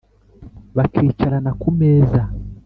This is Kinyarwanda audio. bakicarana ku meza